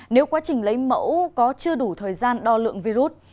nếu quá trình lấy mẫu có chưa đủ thời gian đo lượng virus